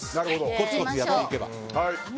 コツコツやっていけば。